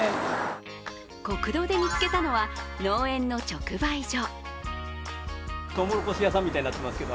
国道で見つけたのは農園の直売所。